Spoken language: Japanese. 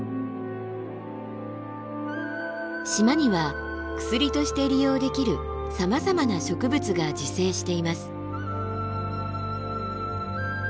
島には薬として利用できるさまざまな植物が自生しています。